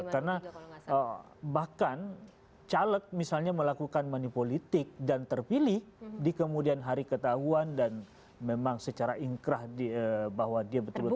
karena bahkan caleg misalnya melakukan manipolitik dan terpilih di kemudian hari ketahuan dan memang secara ingkrah bahwa dia betul betul